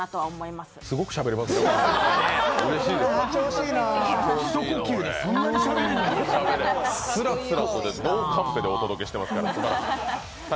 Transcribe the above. すらすらとノーカンペでお届けしてますから。